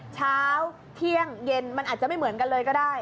เช้าเที่ยงเย็นมันอาจจะไม่เหมือนกันเลยก็ได้